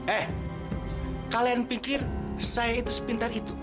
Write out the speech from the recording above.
eh kalian pikir saya itu sepintar itu